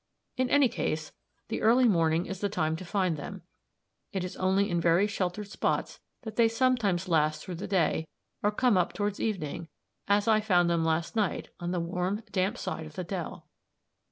In any case the early morning is the time to find them; it is only in very sheltered spots that they sometimes last through the day, or come up towards evening, as I found them last night on the warm damp side of the dell.